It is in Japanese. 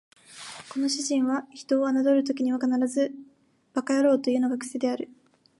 この主人は人を罵るときは必ず馬鹿野郎というのが癖である